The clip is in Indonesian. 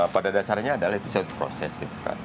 pada dasarnya adalah itu satu proses gitu kan